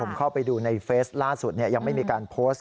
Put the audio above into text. ผมเข้าไปดูในเฟสล่าสุดยังไม่มีการโพสต์